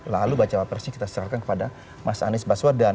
lalu baca wapresnya kita serahkan kepada mas anies baswedan